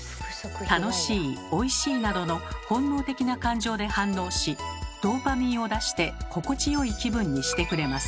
「楽しい」「おいしい」などの本能的な感情で反応しドーパミンを出して心地よい気分にしてくれます。